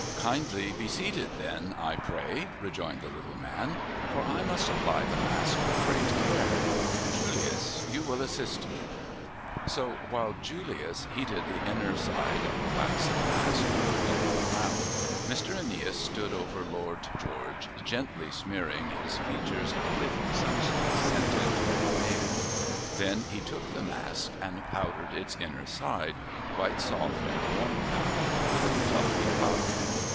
"Kindly be seated then, I pray," rejoined the little man. "For I must apply the mask with great care. Julius, you will assist me!" So, while Julius heated the inner side of the waxen mask over a little lamp, Mr. Aeneas stood over Lord George gently smearing his features with some sweet scented pomade. Then he took the mask and powdered its inner side, quite soft and warm now, with a fluffy puff.